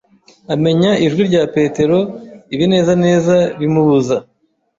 Amenya ijwi rya Petero ibinezaneza bimubuza